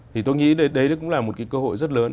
thì tôi nghĩ đấy cũng là một cái cơ hội rất lớn